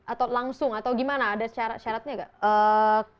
atau langsung atau gimana ada syaratnya nggak